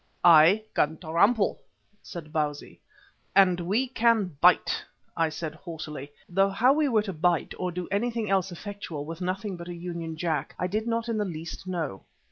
"I can trample," said Bausi. "And we can bite," I said haughtily, though how we were to bite or do anything else effectual with nothing but a Union Jack, I did not in the least know.